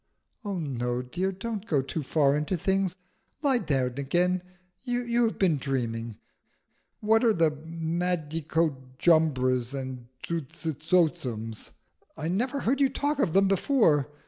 "Oh no, dear, don't go too far into things. Lie down again. You have been dreaming. What are the Madicojumbras and Zuzitotzums? I never heard you talk of them before.